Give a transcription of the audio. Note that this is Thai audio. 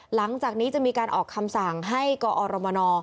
หลังจากนี้จะมีการออกคำสั่งให้กอรมน